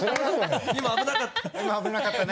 今危なかった。